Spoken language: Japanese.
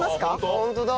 ホントだ。